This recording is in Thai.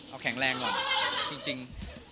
เอาแข็งแรงหน่อยจริง